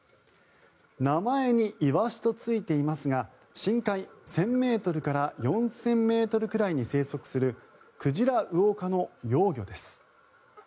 名前にイワシとついていますが深海１０００ｍから４０００ｍくらいに生息するクジラウオ科の幼魚です。